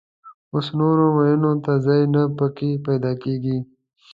اوس نورو مېنو ته ځای نه په کې پيدا کېږي.